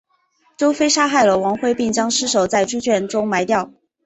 周玘杀害了王恢并将尸首在猪圈中埋掉。